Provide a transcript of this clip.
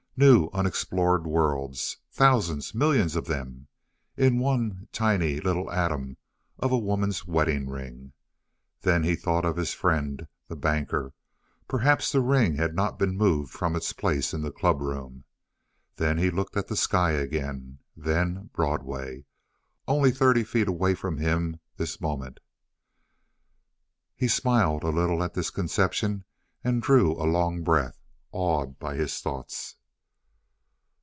New, unexplored worlds! Thousands, millions of them! In one tiny, little atom of a woman's wedding ring! Then he thought of his friend the Banker. Perhaps the ring had not been moved from its place in the clubroom. Then he looked at the sky again then Broadway only thirty feet away from him this moment! He smiled a little at this conception, and drew a long breath awed by his thoughts.